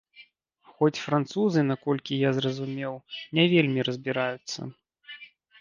Хоць французы, наколькі я зразумеў, не вельмі разбіраюцца.